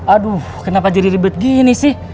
aduh kenapa jadi ribet gini sih